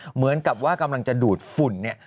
เหมือนกับว่ากำลังจะดูดฝุ่นเนี่ย